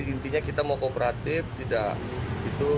intinya kita mau kooperatif tidak itu